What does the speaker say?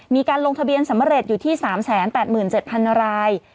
มีการลงทะเบียนสำเร็จอยู่ที่๓๘๗๐๐ราย